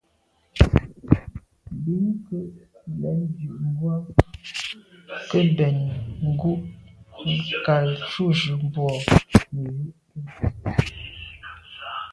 Bin ke’ lèn ndù ngwa ke mbèn ngù kà jujù mbwô nejù ké.